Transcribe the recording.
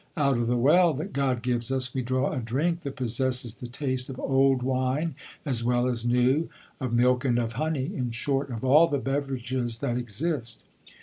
Out of the well that God gives us we draw a drink that possesses the taste of old wine as well as new, of milk and of honey, in short, of all the beverages that exist."